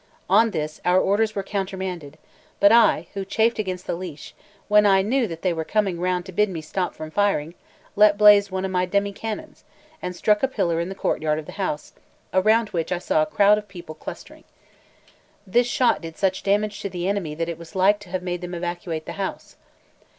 On this, our orders were countermanded; but I, who chafed against the leash, when I knew that they were coming round to bid me stop from firing, let blaze one of my demi cannons, and struck a pillar in the courtyard of the house, around which I saw a crowd of people clustering. This shot did such damage to the enemy that it was like to have made them evacuate the house.